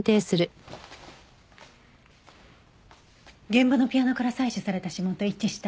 現場のピアノから採取された指紋と一致した。